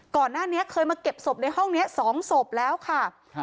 ก่อนหน้านี้เคยมาเก็บศพในห้องนี้สองศพแล้วค่ะครับ